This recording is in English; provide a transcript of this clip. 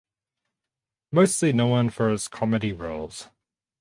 Mostly known for his comedy roles.